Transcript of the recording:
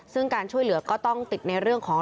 ซึ่งการช่วยเหลือก็ต้องติดในเรื่องของ